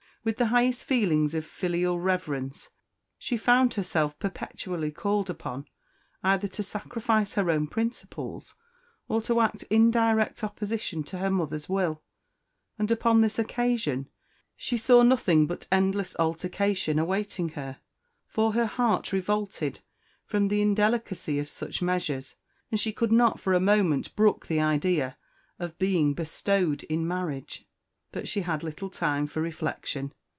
With the highest feelings of filial reverence, she found herself perpetually called upon either to sacrifice her own principles or to act indirect opposition to her mother's will, and upon this occasion she saw nothing but endless altercation awaiting her; for her heart revolted from the indelicacy of such measures, and she could not for a moment brook the idea of being bestowed in marriage. But she had little time for reflection.